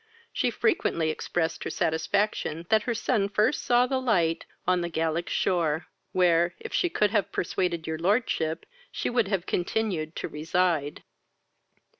She frequently expressed her satisfaction that her son first saw the light on the Gallic shore, where, if she could have persuaded your lordship, she would have continued to reside.